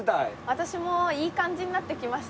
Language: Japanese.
私もいい感じになってきました。